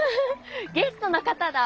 ゲストの方だ！